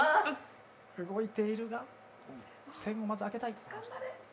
動いているが栓をまず開けたい。